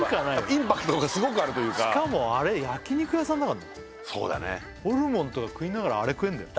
インパクトがすごくあるというかしかもあれ焼き肉屋さんだからそうだねホルモンとか食いながらあれ食えるんだよ